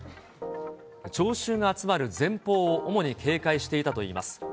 聴衆が集まる前方を主に警戒していたといいます。